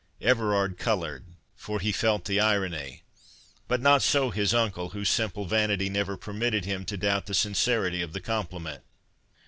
'" Everard coloured, for he felt the irony; but not so his uncle, whose simple vanity never permitted him to doubt the sincerity of the compliment.